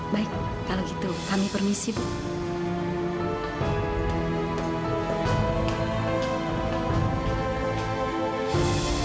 baik kalau gitu kami permisi bu